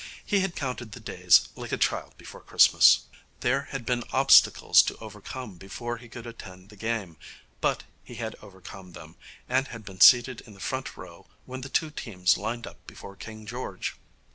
He had counted the days like a child before Christmas. There had been obstacles to overcome before he could attend the game, but he had overcome them, and had been seated in the front row when the two teams lined up before King George.